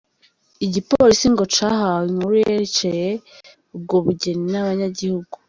Igipolisi ngo cahawe inkuru yerekeye ubwo bugeni n'abanyagihu.